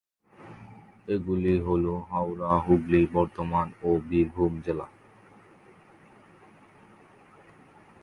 এগুলি হল: হাওড়া, হুগলি, বর্ধমান ও বীরভূম জেলা।